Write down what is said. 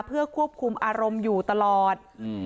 เพื่อควบคุมอารมณ์อยู่ตลอด